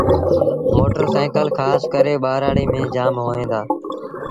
موٽر سآئيٚڪل کآس ڪري ٻآرآڙيٚ ميݩ جآم هئيٚن دآ۔